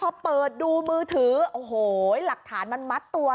พอเปิดดูมือถือโอ้โหหลักฐานมันมัดตัว